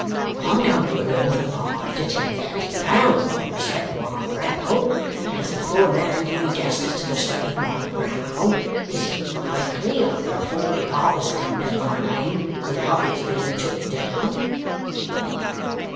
I'm going to earn from five to ten thousand pound by the sweat of my brow; and as a poor man doing justice to the sweat of my brow, is it likely I can afford to part with so much as my name without its being took down?